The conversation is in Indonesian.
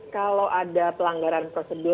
kalau ada pelanggaran prosedur